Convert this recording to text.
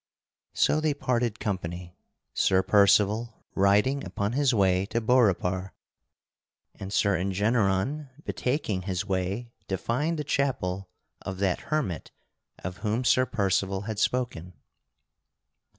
So they parted company, Sir Percival riding upon his way to Beaurepaire, and Sir Engeneron betaking his way to find the chapel of that hermit of whom Sir Percival had spoken.